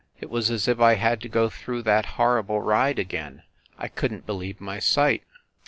... It was as if I had to go through that horrible ride again. ... I couldn t believe my sight.